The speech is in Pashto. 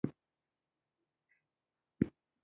ما یوه نوې جوړه اخیستې ده